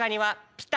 ピタ？